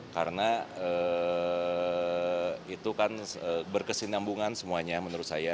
karena itu kan berkesinambungan semuanya menurut saya